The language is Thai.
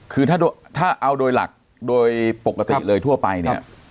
คือถ้าเอาโดยหลักโดยปกติเลยทั่วไปเนี่ย